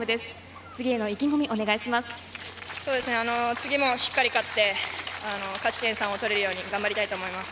次もしっかり勝って、勝ち点３を取れるよう頑張りたいと思います。